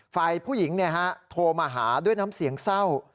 ฝ่ายผู้หญิงโทรมาหาด้วยน้ำเสียงเศร้า